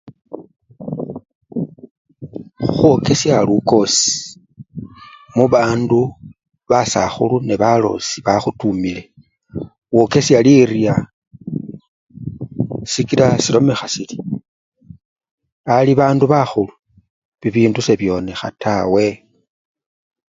Khukhwokesya lukosi mubandu basakhulu nebalosi bakhutumile, wokesya lirya sikila silomekha siri ali bandu bakhulu, bindu sebyonekha tawe.